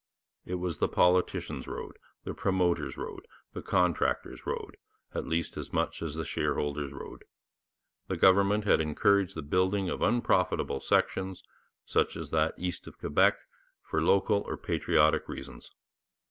It was the politicians' road, the promoters' road, the contractors' road, at least as much as the shareholders' road. The government had encouraged the building of unprofitable sections, such as that east of Quebec, for local or patriotic reasons.